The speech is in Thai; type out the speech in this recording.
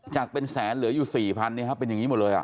จากเป็นแสนเหลืออยู่สี่พันเนี่ยครับเป็นอย่างงี้หมดเลยอ่ะ